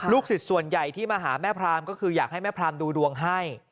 สิทธิ์ส่วนใหญ่ที่มาหาแม่พรามก็คืออยากให้แม่พรามดูดวงให้